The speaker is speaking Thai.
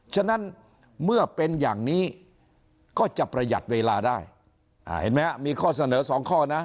ฉะนั้นเมื่อเป็นอย่างนี้ก็จะประหยัดเวลาได้เห็นไหมมีข้อเสนอสองข้อนะ